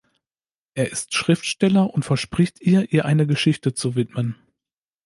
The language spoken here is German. Er ist Schriftsteller und verspricht ihr, ihr eine Geschichte zu widmen.